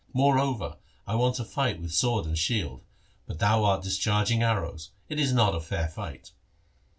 Moreover, I want to fight with sword and shield, but thou art discharging arrows. It is not a fair fight.'